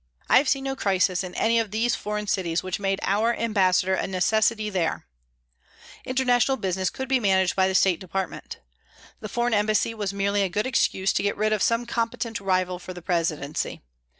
I have seen no crisis in any of these foreign cities which made our ambassadors a necessity there. International business could be managed by the State Department. The foreign embassy was merely a good excuse to get rid of some competent rival for the Presidency.